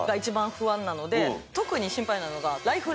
特に心配なのが。